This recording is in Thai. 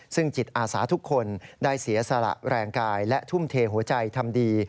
ซึ่งจิตอาสาทุกคนได้เสียสละแรงกายและทุ่มเทหัวใจทำดี